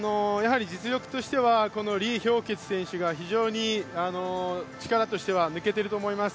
実力としては李氷潔選手が非常に力としては抜けてると思います。